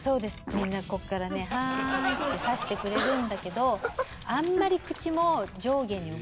みんなここからね「はーい」って差してくれるんだけど。